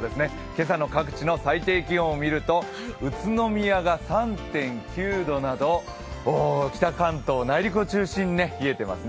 今朝の各地の最低気温を見ると、宇都宮が３．９度など北関東、内陸を中心に冷えていますね。